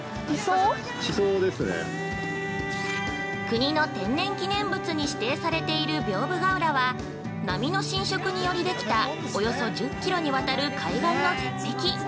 ◆国の天然記念物に指定されている屏風ヶ浦は、波の侵食によりできたおよそ１０キロにわたる海岸の絶壁。